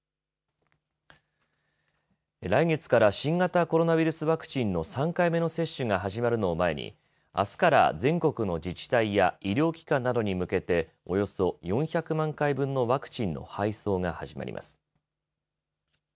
来月から新型コロナウイルスワクチンの３回目の接種が始まるのを前にあすから全国の自治体や医療機関などに向けておよそ４００万回分のワクチンの配送が始まります。